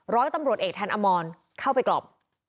ร้อยตำรวจเอกทันอมรเข้าไปกล่อม